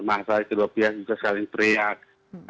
masa kedua pihak juga saling teriak